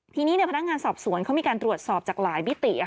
ทีนี้พนักงานสอบสวนเขามีการตรวจสอบจากหลายมิติ